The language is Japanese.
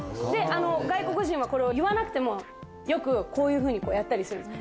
外国人は言わなくてもよくこういうふうにやるんです。